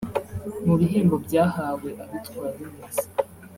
Mu bihembo byahawe abitwaye neza